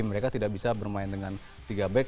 mereka tidak bisa bermain dengan tiga back